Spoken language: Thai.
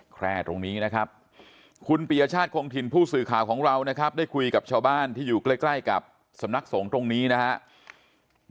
แค่ตรงนี้นะครับคุณปียชาติคงถิ่นผู้สื่อข่าวของเรานะครับได้คุยกับชาวบ้านที่อยู่ใกล้กับสำนักสงฆ์ตรงนี้นะครับ